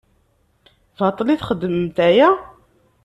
Baṭel i txeddmemt aya?